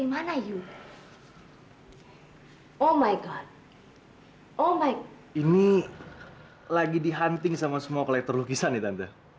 ma punya anak laki pelukis tegok